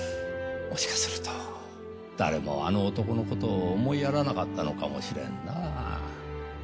もしかすると誰もあの男の事を思いやらなかったのかもしれんな。